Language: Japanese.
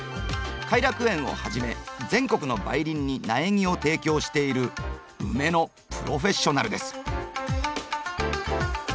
偕楽園をはじめ全国の梅林に苗木を提供しているウメのプロフェッショナルです。